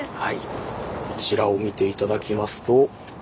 こちらを見て頂きますとはい。